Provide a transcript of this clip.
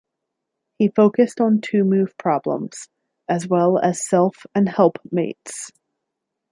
He focused on two-move problems, as well as self- and helpmates.